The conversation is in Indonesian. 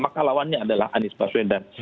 maka lawannya adalah anies baswedan